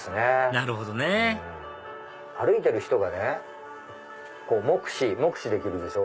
なるほどね歩いてる人がね目視できるでしょ。